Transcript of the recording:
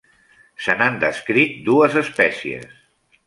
Se n'han descrit dues espècies.